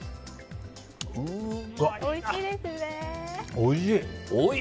おいしい！